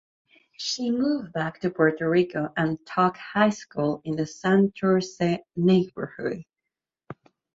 She moved back to Puerto Rico and taught high school in the Santurce neighborhood.